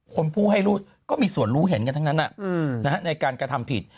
ผู้ให้รูดก็มีส่วนรู้เห็นกันทั้งนั้นในการกระทำผิด